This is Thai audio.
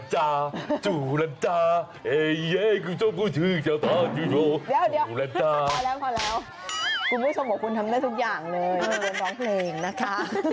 คุณผู้ชมของคุณทำได้ทุกอย่างเลยร้องเพลงนะคะ